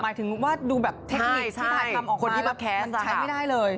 หมายถึงว่าดูแบบเทคนิคที่ถ่ายทำของคนที่แบบมันใช้ไม่ได้เลย